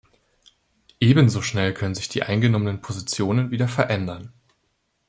Ebenso schnell können sich die eingenommenen Positionen wieder verändern.